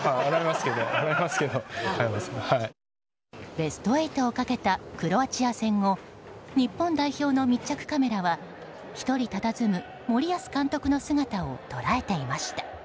ベスト８をかけたクロアチア戦後日本代表の密着カメラは１人たたずむ森保監督の姿を捉えていました。